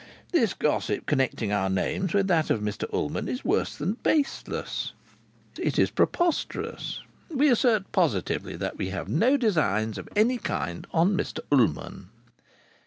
This gossip connecting our names with that of Mr Ullman is worse than baseless; it is preposterous. We assert positively that we have no designs of any kind on Mr Ullman."